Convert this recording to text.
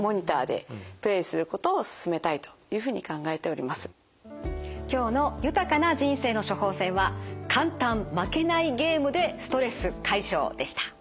ゲームの注意点はほかにもあって今日の「豊かな人生の処方せん」は「簡単・負けないゲームでストレス解消！」でした。